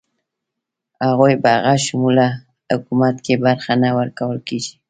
هغوی په همه شموله حکومت کې برخه نه ورکول کیږي.